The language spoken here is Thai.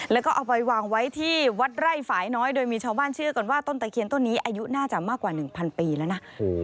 แล้วก็เอาไปวางไว้ที่วัดไร่ฝ่ายน้อยโดยมีชาวบ้านเชื่อกันว่าต้นตะเคียนต้นนี้อายุน่าจะมากกว่า๑๐๐ปีแล้วนะ